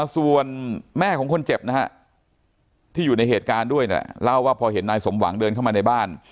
ส่วนแม่ของคนเจ็บนะฮะที่อยู่ในเหตุการณ์ด้วยเนี่ยเล่าว่าพอเห็นนายสมหวังเดินเข้ามาในบ้าน